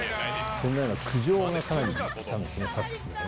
そんなような苦情がかなり来たんですね、ファックスでね。